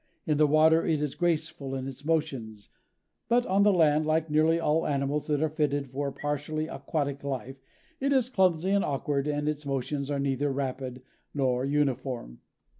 In the water it is graceful in its motions, but on the land, like nearly all animals that are fitted for a partially aquatic life, it is clumsy and awkward and its motions are neither rapid nor uniform.